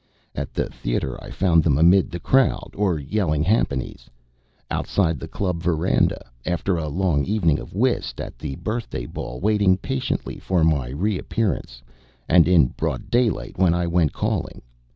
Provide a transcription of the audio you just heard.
At the Theatre I found them amid the crowd or yelling jhampanies; outside the Club veranda, after a long evening of whist; at the Birthday Ball, waiting patiently for my reappearance; and in broad daylight when I went calling.